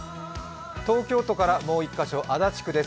東京都からもう１カ所、足立区からです。